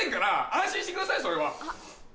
安心してくださいそれは。